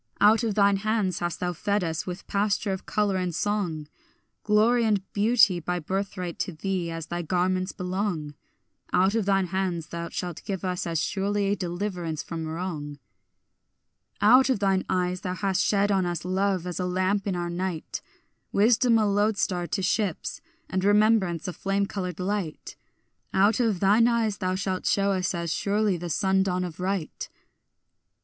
Out of thine hands hast thou fed us with pasture of colour and song; Glory and beauty by birthright to thee as thy garments belong; Out of thine hands thou shalt give us as surely deliverance from wrong. Out of thine eyes thou hast shed on us love as a lamp in our night, Wisdom a lodestar to ships, and remembrance a flame coloured light; Out of thine eyes thou shalt shew us as surely the sun dawn of right.